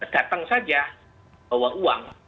datang saja bawa uang